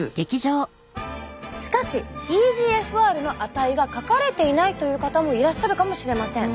しかしｅＧＦＲの値が書かれていないという方もいらっしゃるかもしれません。